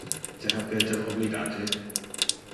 Te ha Peter oblidate?